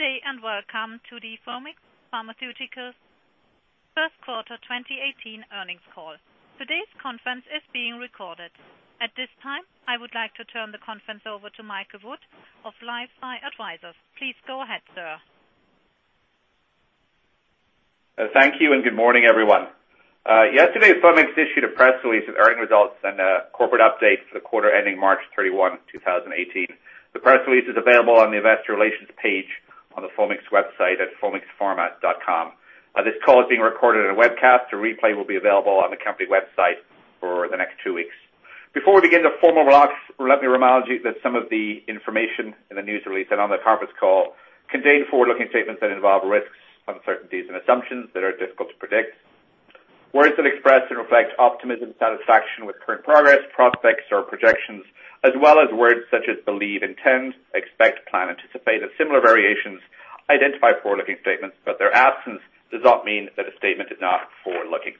Good day. Welcome to the Foamix Pharmaceuticals first quarter 2018 earnings call. Today's conference is being recorded. At this time, I would like to turn the conference over to Michael Wood of LifeSci Advisors. Please go ahead, sir. Thank you. Good morning, everyone. Yesterday, Foamix issued a press release of earning results and corporate updates for the quarter ending March 31, 2018. The press release is available on the investor relations page on the Foamix website at foamixpharma.com. This call is being recorded in a webcast. A replay will be available on the company website for the next two weeks. Before we begin the formal remarks, let me remind you that some of the information in the news release and on the conference call contain forward-looking statements that involve risks, uncertainties, and assumptions that are difficult to predict. Words that express and reflect optimism, satisfaction with current progress, prospects or projections, as well as words such as believe, intend, expect, plan, anticipate, or similar variations identify forward-looking statements, but their absence does not mean that a statement is not forward-looking.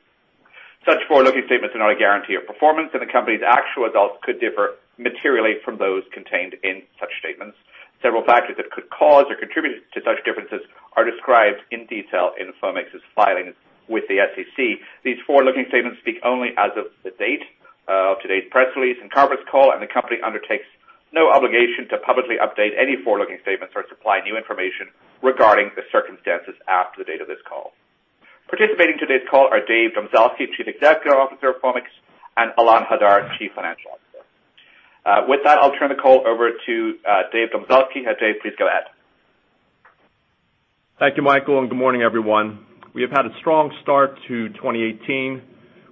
Such forward-looking statements are not a guarantee of performance. The company's actual results could differ materially from those contained in such statements. Several factors that could cause or contribute to such differences are described in detail in Foamix's filings with the SEC. These forward-looking statements speak only as of the date of today's press release and conference call. The company undertakes no obligation to publicly update any forward-looking statements or supply new information regarding the circumstances after the date of this call. Participating in today's call are David Domzalski, Chief Executive Officer of Foamix, and Ilan Hadar, Chief Financial Officer. With that, I'll turn the call over to David Domzalski. Dave, please go ahead. Thank you, Michael. Good morning, everyone. We have had a strong start to 2018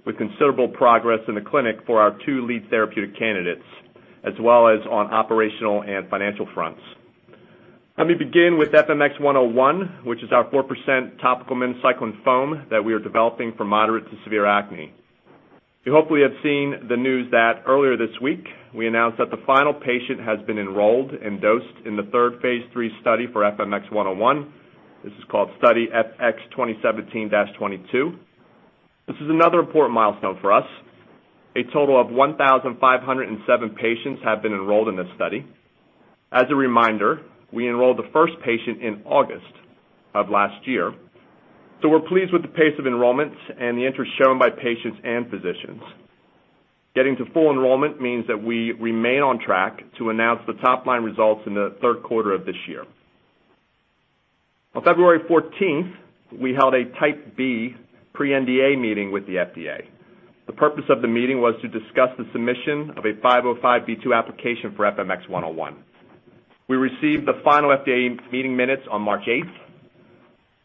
with considerable progress in the clinic for our two lead therapeutic candidates, as well as on operational and financial fronts. Let me begin with FMX101, which is our 4% topical minocycline foam that we are developing for moderate-to-severe acne. You hopefully have seen the news that earlier this week we announced that the final patient has been enrolled and dosed in the third phase III study for FMX101. This is called Study FX2017-22. This is another important milestone for us. A total of 1,507 patients have been enrolled in this study. As a reminder, we enrolled the first patient in August of last year. We're pleased with the pace of enrollments and the interest shown by patients and physicians. Getting to full enrollment means that we remain on track to announce the top-line results in the third quarter of this year. On February 14th, we held a Type B pre-NDA meeting with the FDA. The purpose of the meeting was to discuss the submission of a 505(b)(2) application for FMX101. We received the final FDA meeting minutes on March 8th.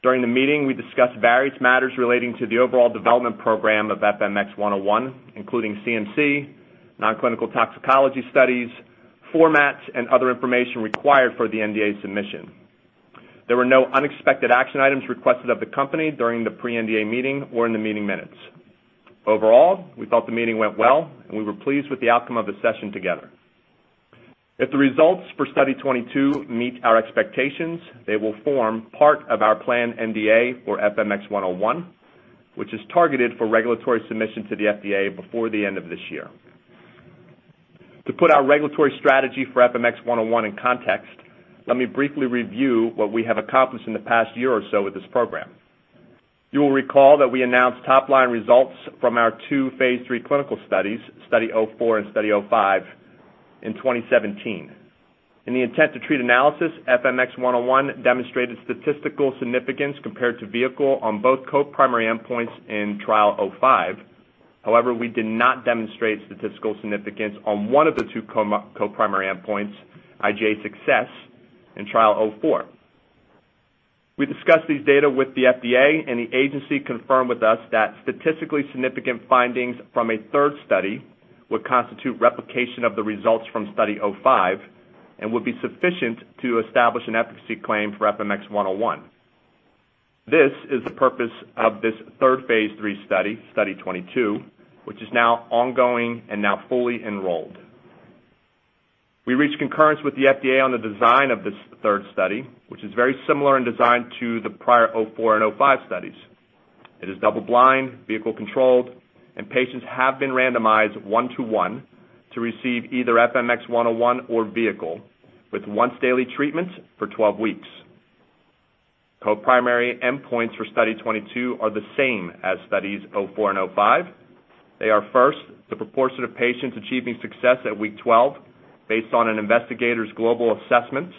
During the meeting, we discussed various matters relating to the overall development program of FMX101, including CMC, nonclinical toxicology studies, formats, and other information required for the NDA submission. There were no unexpected action items requested of the company during the pre-NDA meeting or in the meeting minutes. Overall, we thought the meeting went well, and we were pleased with the outcome of the session together. If the results for Study 22 meet our expectations, they will form part of our planned NDA for FMX101, which is targeted for regulatory submission to the FDA before the end of this year. To put our regulatory strategy for FMX101 in context, let me briefly review what we have accomplished in the past year or so with this program. You will recall that we announced top-line results from our two phase III clinical studies, Study 04 and Study 05, in 2017. In the intent-to-treat analysis, FMX101 demonstrated statistical significance compared to vehicle on both co-primary endpoints in Study 05. However, we did not demonstrate statistical significance on one of the two co-primary endpoints, IGA success, in Study 04. We discussed these data with the FDA, and the agency confirmed with us that statistically significant findings from a third study would constitute replication of the results from Study 05 and would be sufficient to establish an efficacy claim for FMX101. This is the purpose of this third phase III study, Study 22, which is now ongoing and now fully enrolled. We reached concurrence with the FDA on the design of this third study, which is very similar in design to the prior 04 and 05 studies. It is double-blind, vehicle-controlled, and patients have been randomized one-to-one to receive either FMX101 or vehicle with once-daily treatments for 12 weeks. Co-primary endpoints for Study 22 are the same as Studies 04 and 05. They are, first, the proportion of patients achieving success at week 12 based on an investigator's global assessment.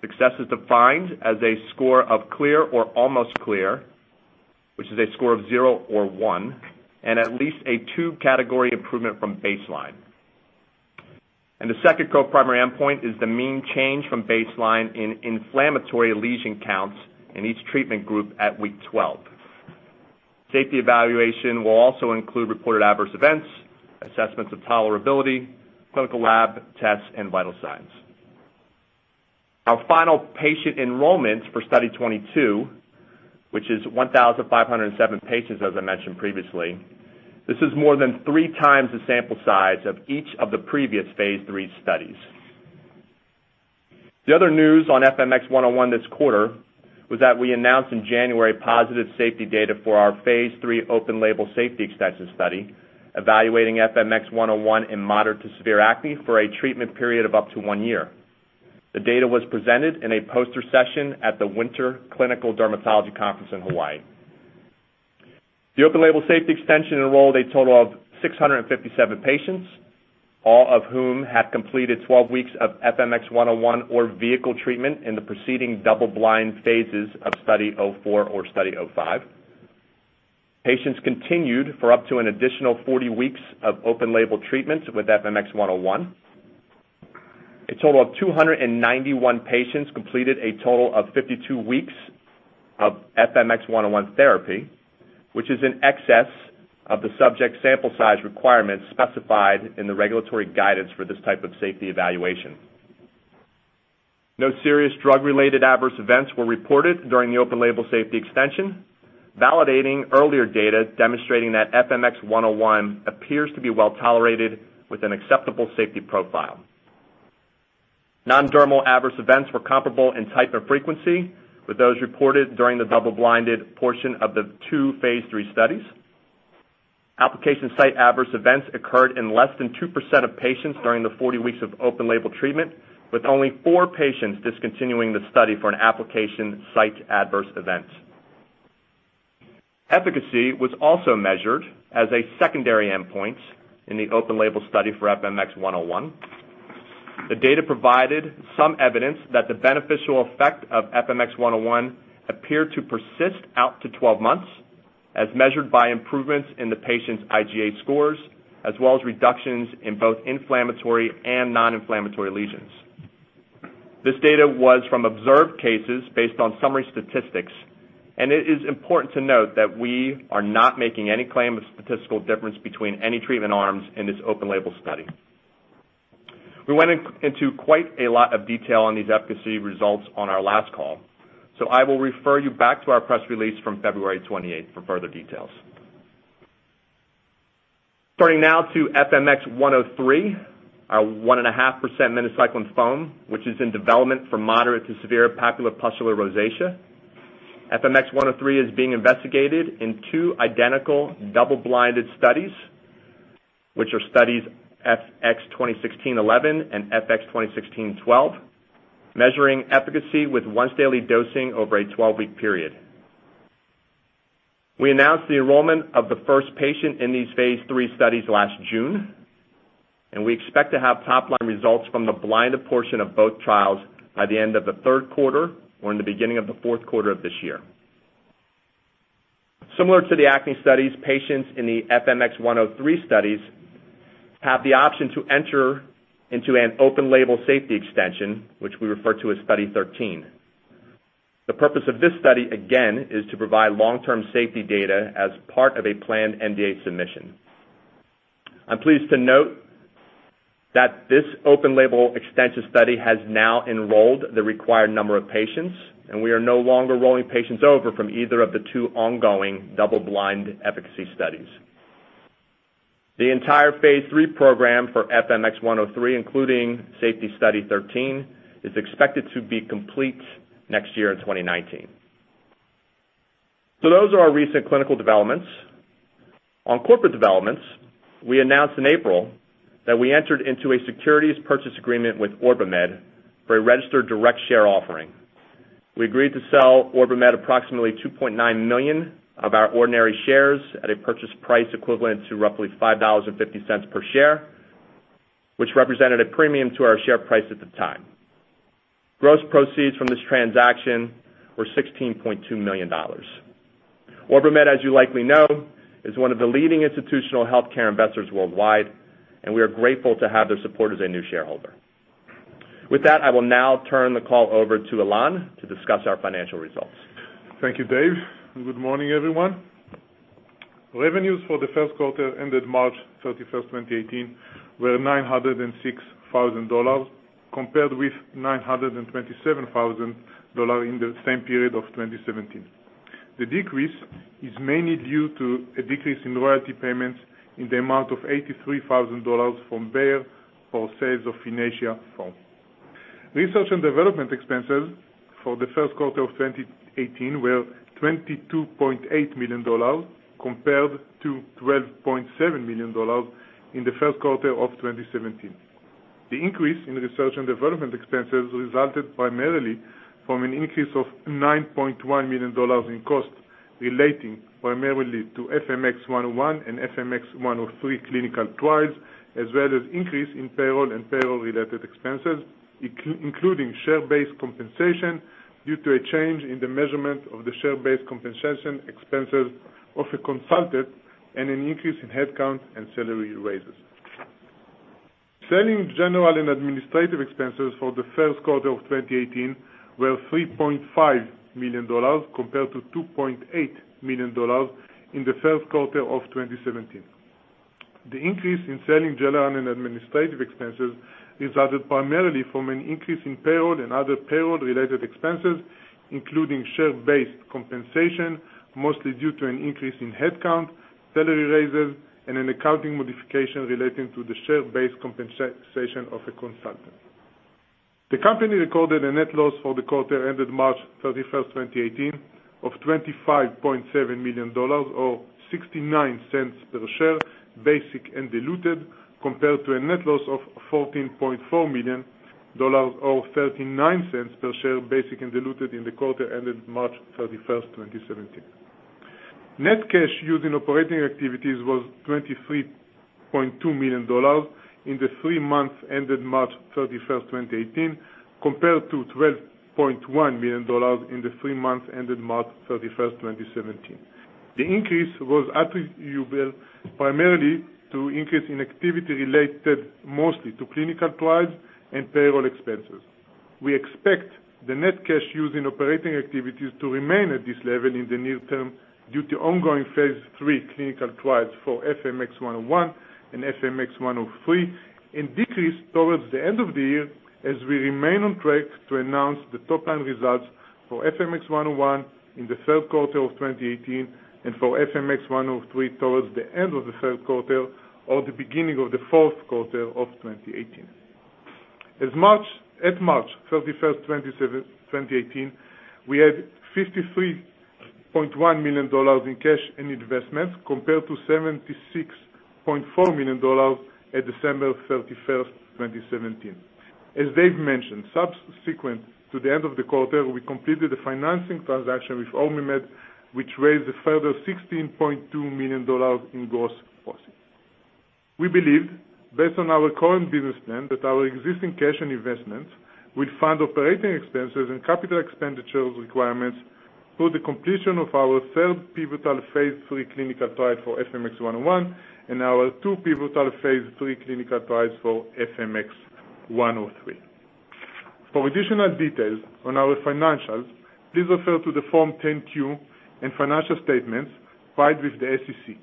Success is defined as a score of clear or almost clear, which is a score of zero or one, and at least a 2-category improvement from baseline. The second co-primary endpoint is the mean change from baseline in inflammatory lesion counts in each treatment group at week 12. Safety evaluation will also include reported adverse events, assessments of tolerability, clinical lab tests, and vital signs. Our final patient enrollment for Study 22, which is 1,507 patients, as I mentioned previously. This is more than three times the sample size of each of the previous phase III studies. The other news on FMX101 this quarter was that we announced in January positive safety data for our phase III open-label safety extension study, evaluating FMX101 in moderate to severe acne for a treatment period of up to one year. The data was presented in a poster session at the Winter Clinical Dermatology Conference in Hawaii. The open label safety extension enrolled a total of 657 patients, all of whom had completed 12 weeks of FMX101 or vehicle treatment in the preceding double blind phases of Study 04 or Study 05. Patients continued for up to an additional 40 weeks of open label treatment with FMX101. A total of 291 patients completed a total of 52 weeks of FMX101 therapy, which is in excess of the subject sample size requirements specified in the regulatory guidance for this type of safety evaluation. No serious drug-related adverse events were reported during the open label safety extension, validating earlier data demonstrating that FMX101 appears to be well-tolerated with an acceptable safety profile. Non-dermal adverse events were comparable in type or frequency with those reported during the double-blinded portion of the two phase III studies. Application site adverse events occurred in less than 2% of patients during the 40 weeks of open label treatment, with only four patients discontinuing the study for an application site adverse event. Efficacy was also measured as a secondary endpoint in the open label study for FMX101. The data provided some evidence that the beneficial effect of FMX101 appeared to persist out to 12 months, as measured by improvements in the patient's IGA scores, as well as reductions in both inflammatory and non-inflammatory lesions. This data was from observed cases based on summary statistics, and it is important to note that we are not making any claim of statistical difference between any treatment arms in this open label study. We went into quite a lot of detail on these efficacy results on our last call, so I will refer you back to our press release from February 28th for further details. Turning now to FMX103, our 1.5% minocycline foam, which is in development for moderate to severe papulopustular rosacea. FMX103 is being investigated in two identical double-blinded studies, which are studies FX2016-11 and FX2016-12, measuring efficacy with once-daily dosing over a 12-week period. We announced the enrollment of the first patient in these phase III studies last June, and we expect to have top-line results from the blinded portion of both trials by the end of the third quarter or in the beginning of the fourth quarter of this year. Similar to the acne studies, patients in the FMX103 studies have the option to enter into an open label safety extension, which we refer to as Study 13. The purpose of this study, again, is to provide long-term safety data as part of a planned NDA submission. I'm pleased to note that this open label extension study has now enrolled the required number of patients, and we are no longer rolling patients over from either of the two ongoing double-blind efficacy studies. The entire phase III program for FMX103, including Safety Study 13, is expected to be complete next year in 2019. So those are our recent clinical developments. On corporate developments, we announced in April that we entered into a securities purchase agreement with OrbiMed for a registered direct share offering. We agreed to sell OrbiMed approximately 2.9 million of our ordinary shares at a purchase price equivalent to roughly $5.50 per share, which represented a premium to our share price at the time. Gross proceeds from this transaction were $16.2 million. OrbiMed, as you likely know, is one of the leading institutional healthcare investors worldwide. We are grateful to have their support as a new shareholder. With that, I will now turn the call over to Ilan to discuss our financial results. Thank you, Dave. Good morning, everyone. Revenues for the first quarter ended March 31st, 2018 were $906,000, compared with $927,000 in the same period of 2017. The decrease is mainly due to a decrease in royalty payments in the amount of $83,000 from Bayer for sales of Finacea Foam. Research and development expenses for the first quarter of 2018 were $22.8 million compared to $12.7 million in the first quarter of 2017. The increase in research and development expenses resulted primarily from an increase of $9.1 million in costs relating primarily to FMX101 and FMX103 clinical trials, as well as increase in payroll and payroll-related expenses, including share-based compensation due to a change in the measurement of the share-based compensation expenses of a consultant and an increase in headcount and salary raises. Selling general and administrative expenses for the first quarter of 2018 were $3.5 million, compared to $2.8 million in the first quarter of 2017. The increase in selling, general, and administrative expenses resulted primarily from an increase in payroll and other payroll-related expenses, including share-based compensation, mostly due to an increase in headcount, salary raises, and an accounting modification relating to the share-based compensation of a consultant. The company recorded a net loss for the quarter ended March 31st, 2018, of $25.7 million, or $0.69 per share, basic and diluted, compared to a net loss of $14.4 million or $0.39 per share, basic and diluted in the quarter ended March 31st, 2017. Net cash used in operating activities was $23.2 million in the three months ended March 31st, 2018, compared to $12.1 million in the three months ended March 31st, 2017. The increase was attributable primarily to increase in activity related mostly to clinical trials and payroll expenses. We expect the net cash used in operating activities to remain at this level in the near term due to ongoing phase III clinical trials for FMX101 and FMX103, and decrease towards the end of the year as we remain on track to announce the top-line results for FMX101 in the third quarter of 2018 and for FMX103 towards the end of the third quarter or the beginning of the fourth quarter of 2018. At March 31st, 2018, we had $53.1 million in cash and investments compared to $76.4 million at December 31st, 2017. As Dave mentioned, subsequent to the end of the quarter, we completed the financing transaction with OrbiMed, which raised a further $16.2 million in gross proceeds. We believe, based on our current business plan, that our existing cash and investments will fund operating expenses and capital expenditures requirements through the completion of our third pivotal phase III clinical trial for FMX101 and our two pivotal phase III clinical trials for FMX103. For additional details on our financials, please refer to the Form 10-Q and financial statements filed with the SEC.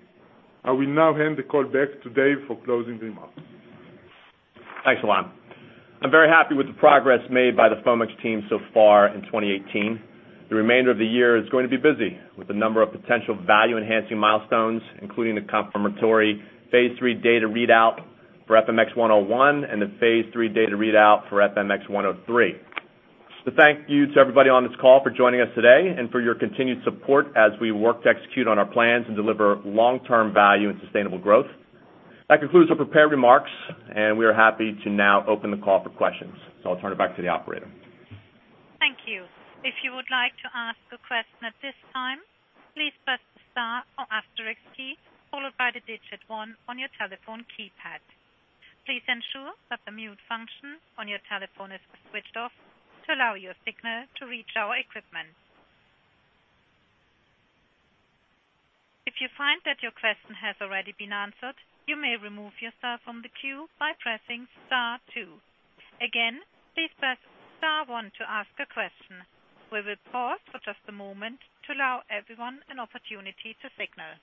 I will now hand the call back to Dave for closing remarks. Thanks, Ilan. I'm very happy with the progress made by the Foamix team so far in 2018. The remainder of the year is going to be busy with a number of potential value-enhancing milestones, including the confirmatory phase III data readout for FMX101 and the phase III data readout for FMX103. Thank you to everybody on this call for joining us today and for your continued support as we work to execute on our plans and deliver long-term value and sustainable growth. That concludes our prepared remarks, and we are happy to now open the call for questions. I'll turn it back to the operator. Thank you. If you would like to ask a question at this time, please press the star or asterisk key followed by the digit 1 on your telephone keypad. Please ensure that the mute function on your telephone is switched off to allow your signal to reach our equipment. If you find that your question has already been answered, you may remove yourself from the queue by pressing star 2. Again, please press star 1 to ask a question. We will pause for just a moment to allow everyone an opportunity to signal.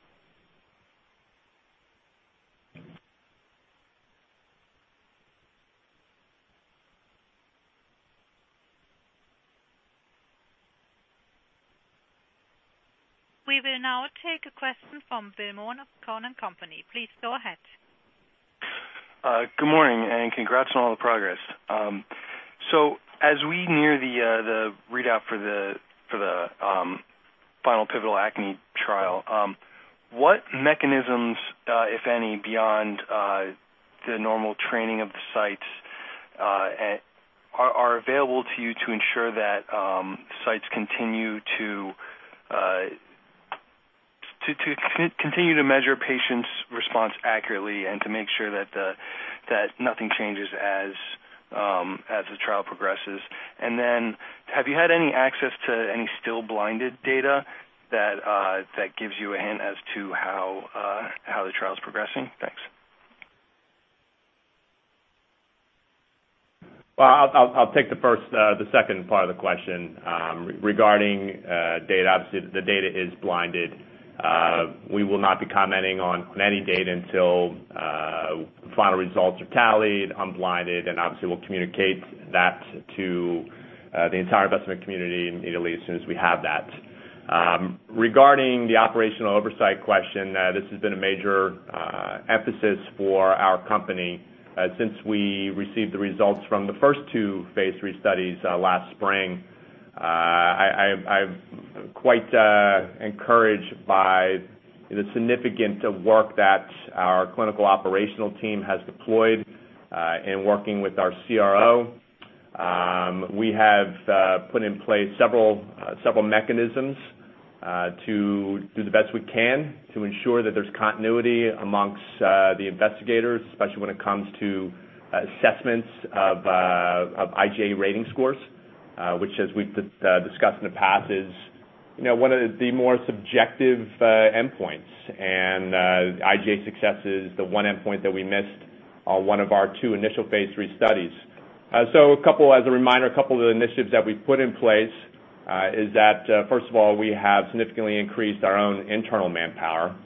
We will now take a question from Ken Cacciatore of Cowen and Company. Please go ahead. Good morning, congrats on all the progress. As we near the readout for the final pivotal acne trial, what mechanisms, if any, beyond the normal training of the sites, are available to you to ensure that sites continue to measure patients' response accurately and to make sure that nothing changes as the trial progresses? Have you had any access to any still blinded data that gives you a hint as to how the trial is progressing? Thanks. Well, I'll take the second part of the question. Regarding data, obviously, the data is blinded. We will not be commenting on any data until final results are tallied, unblinded, and obviously, we'll communicate that to the entire investment community immediately as soon as we have that. Regarding the operational oversight question, this has been a major emphasis for our company since we received the results from the first two phase III studies last spring. I'm quite encouraged by the significance of work that our clinical operational team has deployed in working with our CRO. We have put in place several mechanisms to do the best we can to ensure that there's continuity amongst the investigators, especially when it comes to assessments of IGA rating scores, which as we've discussed in the past is one of the more subjective endpoints. IGA success is the one endpoint that we missed on one of our two initial phase III studies. As a reminder, a couple of the initiatives that we've put in place is that, first of all, we have significantly increased our own internal manpower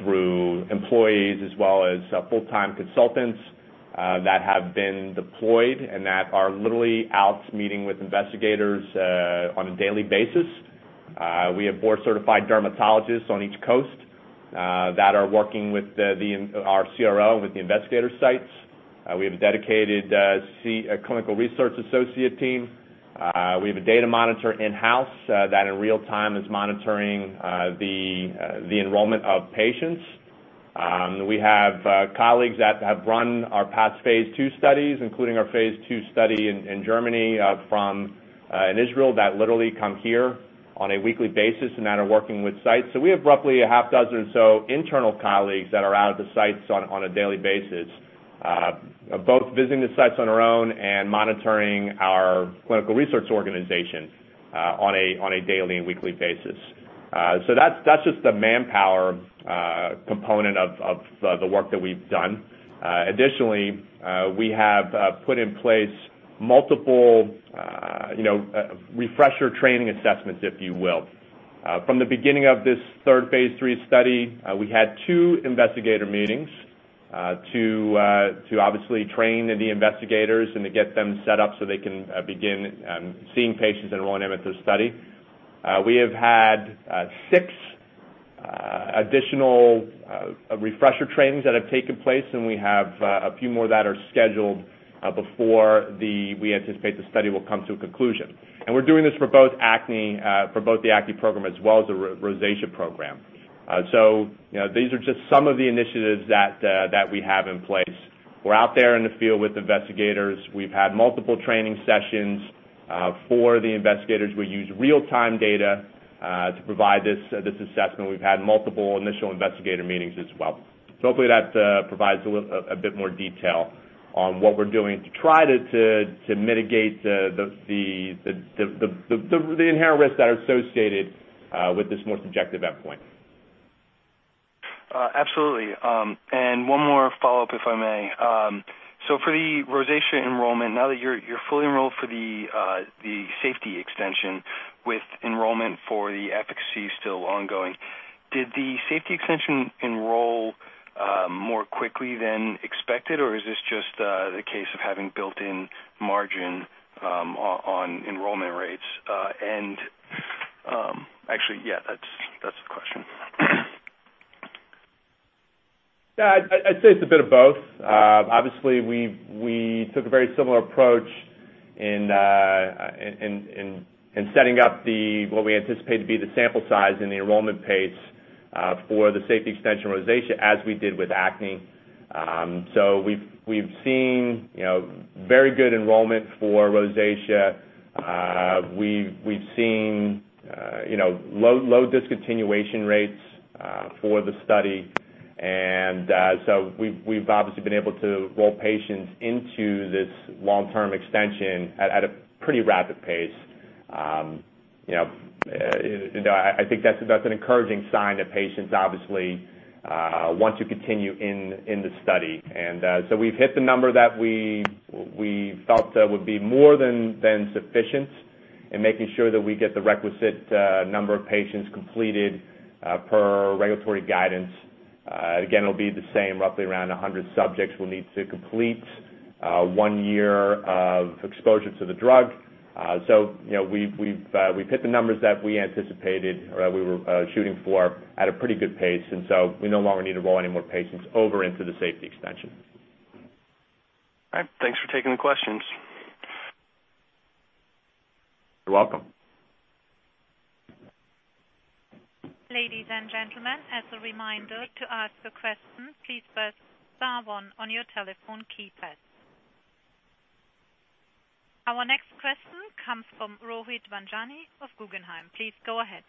through employees as well as full-time consultants that have been deployed and that are literally out meeting with investigators on a daily basis. We have board-certified dermatologists on each coast that are working with our CRO and with the investigator sites. We have a dedicated clinical research associate team. We have a data monitor in-house that in real time is monitoring the enrollment of patients. We have colleagues that have run our past phase II studies, including our phase II study in Germany, from Israel, that literally come here on a weekly basis and that are working with sites. We have roughly a half dozen or so internal colleagues that are out at the sites on a daily basis, both visiting the sites on their own and monitoring our clinical research organization on a daily and weekly basis. That's just the manpower component of the work that we've done. Additionally, we have put in place multiple refresher training assessments, if you will. From the beginning of this third phase III study, we had two investigator meetings to obviously train the investigators and to get them set up so they can begin seeing patients and enrolling them at this study. We have had six additional refresher trainings that have taken place, and we have a few more that are scheduled before we anticipate the study will come to a conclusion. We're doing this for both the acne program as well as the rosacea program. These are just some of the initiatives that we have in place. We're out there in the field with investigators. We've had multiple training sessions for the investigators. We use real-time data to provide this assessment. We've had multiple initial investigator meetings as well. Hopefully that provides a bit more detail on what we're doing to try to mitigate the inherent risks that are associated with this more subjective endpoint. Absolutely. One more follow-up, if I may. For the rosacea enrollment, now that you're fully enrolled for the safety extension with enrollment for the efficacy still ongoing, did the safety extension enroll more quickly than expected, or is this just the case of having built-in margin on enrollment rates? Actually, yeah, that's the question. Yeah, I'd say it's a bit of both. Obviously, we took a very similar approach in setting up what we anticipate to be the sample size and the enrollment pace for the safety extension rosacea, as we did with acne. We've seen very good enrollment for rosacea. We've seen low discontinuation rates for the study. We've obviously been able to roll patients into this long-term extension at a pretty rapid pace. I think that's an encouraging sign that patients obviously want to continue in the study. We've hit the number that we felt would be more than sufficient in making sure that we get the requisite number of patients completed per regulatory guidance. Again, it'll be the same, roughly around 100 subjects we'll need to complete one year of exposure to the drug. We've hit the numbers that we anticipated or that we were shooting for at a pretty good pace. We no longer need to roll any more patients over into the safety extension. All right. Thanks for taking the questions. You're welcome. Ladies and gentlemen, as a reminder, to ask a question, please press star one on your telephone keypad. Our next question comes from Rohit Vanjani of Guggenheim. Please go ahead.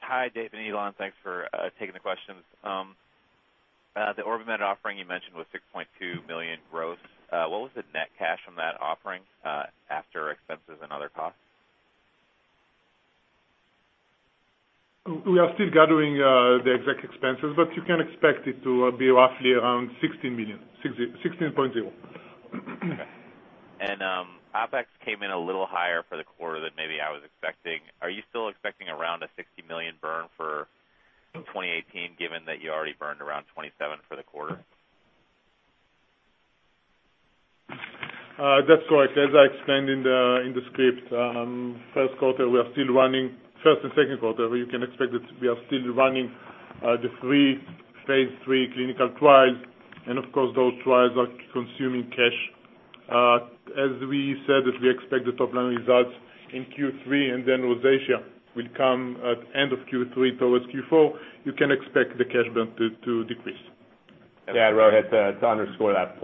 Hi, Dave and Ilan. Thanks for taking the questions. The OrbiMed offering you mentioned was $6.2 million gross. What was the net cash on that offering after expenses and other costs? We are still gathering the exact expenses, but you can expect it to be roughly around $16 million, $16.0. Okay. OpEx came in a little higher for the quarter than maybe I was expecting. Are you still expecting around a $60 million burn for 2018, given that you already burned around $27 million for the quarter? That's correct. As I explained in the script, First and second quarter, you can expect that we are still running the three phase III clinical trials, and of course, those trials are consuming cash. As we said, if we expect the top-line results in Q3, then rosacea will come at end of Q3 towards Q4, you can expect the cash burn to decrease. Yeah, Rohit, to underscore that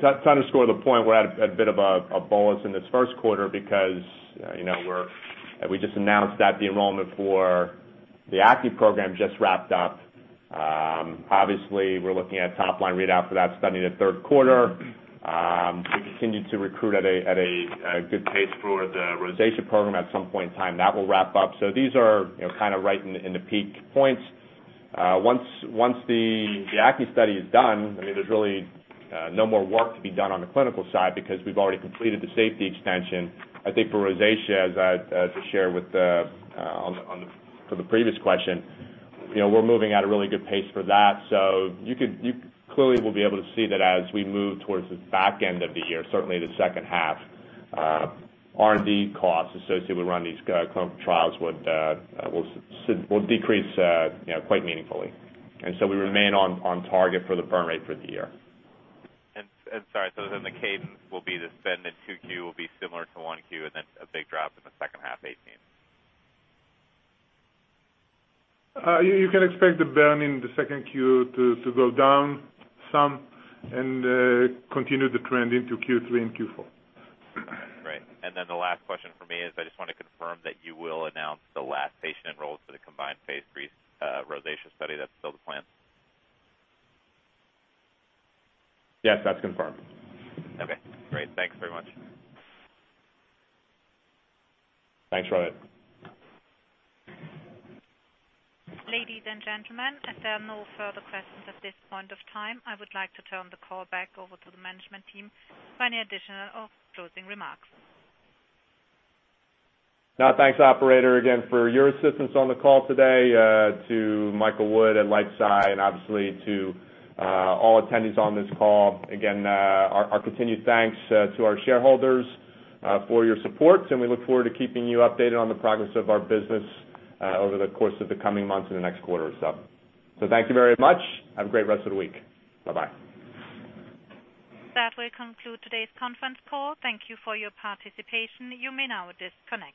point, we're at a bit of a bolus in this first quarter because we just announced that the enrollment for the acne program just wrapped up. Obviously, we're looking at a top-line readout for that study in the third quarter. We continue to recruit at a good pace for the rosacea program. At some point in time, that will wrap up. These are kind of right in the peak points. Once the acne study is done, there's really no more work to be done on the clinical side because we've already completed the safety extension. I think for rosacea, as I shared for the previous question, we're moving at a really good pace for that. You clearly will be able to see that as we move towards the back end of the year, certainly the second half, R&D costs associated with running these clinical trials will decrease quite meaningfully. We remain on target for the burn rate for the year. Sorry, the cadence will be the spend in 2Q will be similar to 1Q, and then a big drop in the second half 2018. You can expect the burn in the second Q to go down some and continue the trend into Q3 and Q4. Great. The last question from me is I just want to confirm that you will announce the last patient enrolled for the combined phase III rosacea study. That's still the plan? Yes, that's confirmed. Okay, great. Thanks very much. Thanks, Rohit. Ladies and gentlemen, as there are no further questions at this point of time, I would like to turn the call back over to the management team for any additional or closing remarks. Thanks, operator, again, for your assistance on the call today, to Michael Wood at LifeSci, and obviously to all attendees on this call. Again, our continued thanks to our shareholders for your support, and we look forward to keeping you updated on the progress of our business over the course of the coming months and the next quarter or so. Thank you very much. Have a great rest of the week. Bye-bye. That will conclude today's conference call. Thank you for your participation. You may now disconnect.